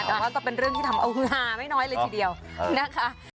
แต่ว่าก็เป็นเรื่องที่ทำเอาฮือหาไม่น้อยเลยทีเดียวนะคะ